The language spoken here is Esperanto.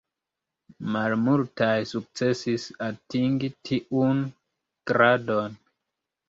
Malmultaj sukcesis atingi tiun gradon.